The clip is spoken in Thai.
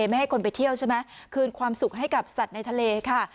ไม่ให้คนไปเที่ยวใช่ไหมคืนความสุขให้กับสัตว์ในทะเลค่ะ